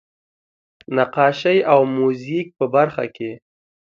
نقاشۍ او موزیک په برخه کې.